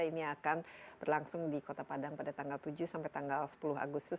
ini akan berlangsung di kota padang pada tanggal tujuh sampai tanggal sepuluh agustus